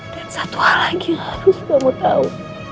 dan satu hal lagi yang harus kamu tahu